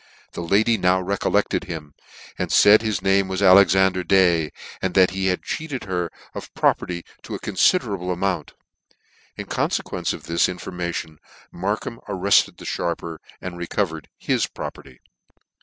The lady now recol lected him, and faid that his name was Alexander Day, and that he had cheated her of property to a confiderable amount. In confequence of this information, Markham arrefted the fharper, and recovered his property.